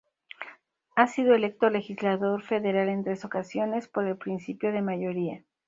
Ha sido electo legislador federal en tres ocasiones por el principio de mayoría.